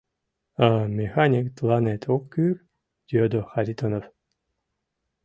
— А механик тыланет ок кӱл? — йодо Харитонов.